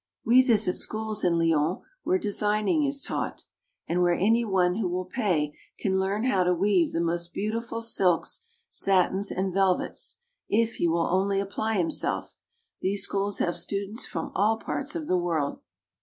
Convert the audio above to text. We visit schools in Lyons where designing is taught, and where any one who will pay can learn how to weave the most beautiful silks, satins, and velvets, if he will only apply himself. These schools have students from all parts of the world.